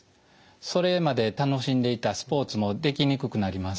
それまで楽しんでいたスポーツもできにくくなります。